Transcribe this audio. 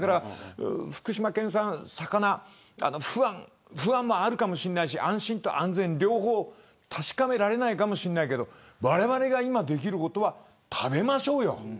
福島県産の魚不安もあるかもしれないし安心と安全両方確かめられないかもしれないけどわれわれが今できることは食べましょうよ。